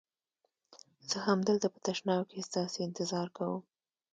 زه همدلته په تشناب کې ستاسي انتظار کوم.